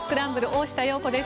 大下容子です。